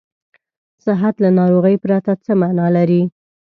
صحت له ناروغۍ پرته څه معنا لري.